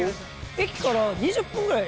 駅から２０分ぐらい。